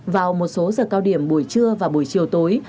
vào một số giờ cao điểm buổi trưa và buổi chiều tối